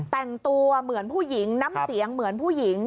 แต่งตัวเหมือนผู้หญิงน้ำเสียงเหมือนผู้หญิง